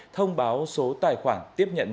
thông báo số tài khoản tiếp nhận